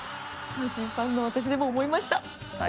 阪神ファンの私でも思いました。